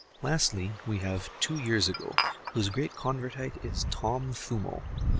Lastly, we have "Two Years Ago," whose great Convertite is Tom Thumal.